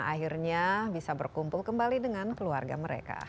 akhirnya bisa berkumpul kembali dengan keluarga mereka